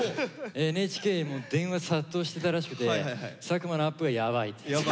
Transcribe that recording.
ＮＨＫにもう電話殺到してたらしくて「作間のアップがやばい」って。